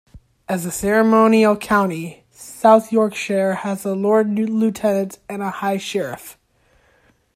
As a ceremonial county, South Yorkshire has a Lord Lieutenant and a High Sheriff.